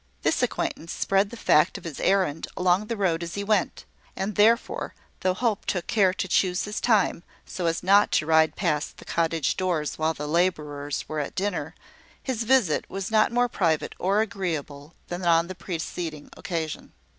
This acquaintance spread the fact of his errand along the road as he went; and therefore, though Hope took care to choose his time, so as not to ride past the cottage doors while the labourers were at dinner, his visit was not more private or agreeable than on the preceding occasion.